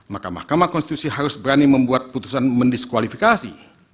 maka mahkamah konstitusi harus berani membuat putusan mendiskualifikasi